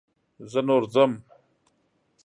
زه نور ځم.